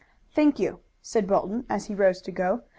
"Thank you," said Bolton as he rose to go.